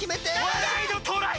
わらいのトライ！